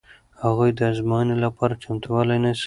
هغوی د ازموینې لپاره چمتووالی نیسي.